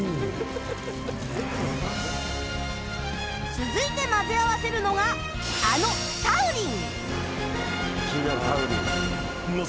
続いて混ぜ合わせるのがあのタウリン